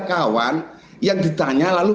kawan yang ditanya lalu